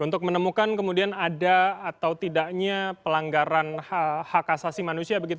untuk menemukan kemudian ada atau tidaknya pelanggaran hak asasi manusia begitu